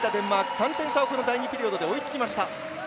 ３点差を第２ピリオドで追いつきました。